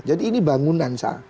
jadi ini bangunan